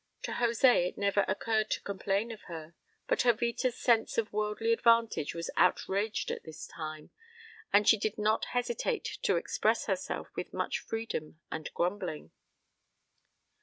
To José it never occurred to complain of her, but Jovita's sense of worldly advantage was outraged at this time, and she did not hesitate to express herself with much freedom and grumbling.